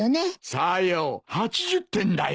さよう８０点だよ。